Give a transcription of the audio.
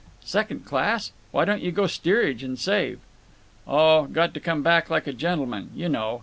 "Second class? Why don't you go steerage, and save?" "Oh, got to come back like a gentleman. You know.